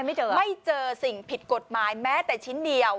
ไม่เจอไม่เจอสิ่งผิดกฎหมายแม้แต่ชิ้นเดียว